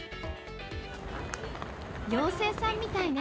妖精さんみたいね。